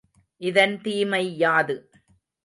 இதன் தீமை யாது?